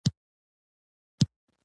کوچيان په خيمو کې ژوند کوي.